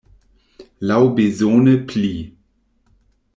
Laŭbezone pli.